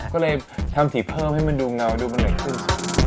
ก็เลยทำสีเพิ่มให้มันดูเงาดูมันหน่อยขึ้น